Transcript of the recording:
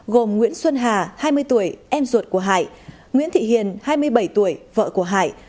gồm nguyễn xuân hà hai mươi tuổi em ruột của hải nguyễn thị hiền hai mươi bảy tuổi vợ của hải